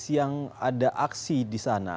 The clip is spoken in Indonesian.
siang ada aksi di sana